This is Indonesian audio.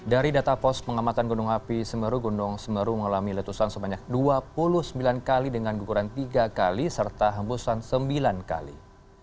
dari data pos pengamatan gunung api semeru gundung semeru mengalami letusan sebanyak dua puluh sembilan kali dengan guguran tiga kali serta hembusan sembilan kali